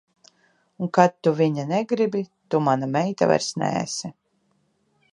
Un kad tu viņa negribi, tu mana meita vairs neesi.